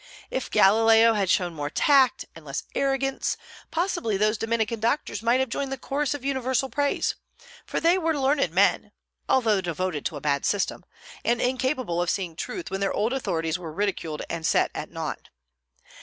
If Galileo had shown more tact and less arrogance, possibly those Dominican doctors might have joined the chorus of universal praise; for they were learned men, although devoted to a bad system, and incapable of seeing truth when their old authorities were ridiculed and set at nought.